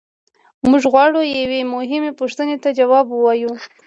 موږ غواړو یوې مهمې پوښتنې ته ځواب ووایو.